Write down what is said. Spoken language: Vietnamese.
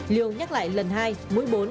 liều nhắc lại lần hai mũi bốn